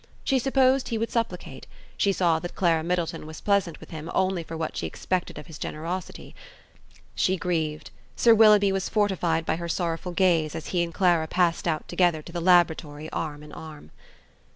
She supposed he would supplicate; she saw that Clara Middleton was pleasant with him only for what she expected of his generosity. She grieved. Sir Willoughby was fortified by her sorrowful gaze as he and Clara passed out together to the laboratory arm in arm.